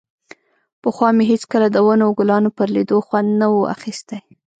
پخوا مې هېڅکله د ونو او ګلانو پر ليدو خوند نه و اخيستى.